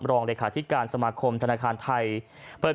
รองเลขาธิการสมาคมธนาคารไทยเปิด